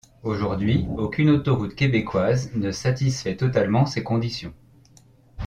Aujourd'hui, aucune autoroute québécoise ne satisfait totalement ces conditions.